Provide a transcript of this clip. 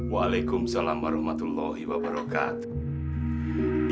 waalaikumsalam warahmatullahi wabarakatuh